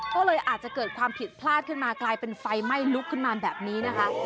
ก็เลยอาจจะเกิดความผิดพลาดขึ้นมากลายเป็นไฟไหม้ลุกขึ้นมาแบบนี้นะคะ